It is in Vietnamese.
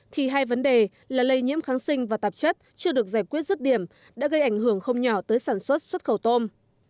thì hai vấn đề là lây nhiễm kháng sinh và tạp chất chưa được giải quyết rứt điểm đã gây ảnh hưởng không nhỏ tới sản xuất xuất khẩu tôm